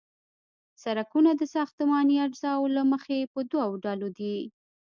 سرکونه د ساختماني اجزاوو له مخې په دوه ډلو دي